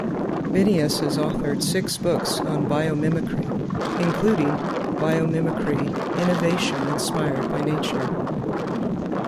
Benyus has authored six books on biomimicry, including "Biomimicry: Innovation Inspired by Nature".